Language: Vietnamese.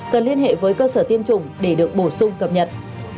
cần liên hệ với cơ sở tiêm chủng để được bổ sung cập nhật